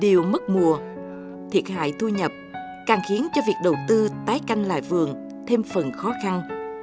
điều mất mùa thiệt hại thu nhập càng khiến cho việc đầu tư tái canh lại vườn thêm phần khó khăn